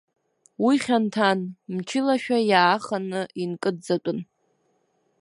Уи хьанҭан, мчылашәа иааханы инкыдҵатәын.